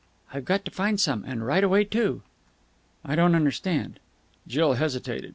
"I've got to find some. And right away, too." "I don't understand." Jill hesitated.